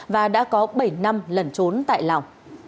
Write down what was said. và đã có bảy năm lẩn trốn tại lào